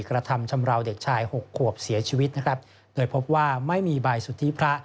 กระทำชำราวเด็กชายหกขวบเสียชีวิตนะครับโดยพบว่าไม่มีใบสุทธิพระ